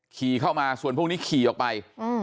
ขี่เข้ามาส่วนพวกนี้ขี่ออกไป